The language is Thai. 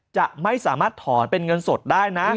จะไม่สามารถถอนเป็นเงินสดได้นะ